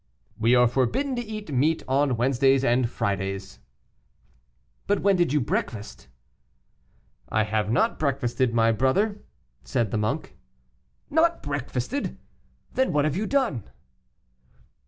"We are forbidden to eat meat on Wednesdays and Fridays." "But when did you breakfast?" "I have not breakfasted, my brother," said the monk. "Not breakfasted! Then what have you done?"